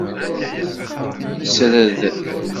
Sred.